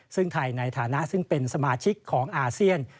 ซึ่งไทยในฐานะซึ่งเป็นสมาชิกของอาเซียน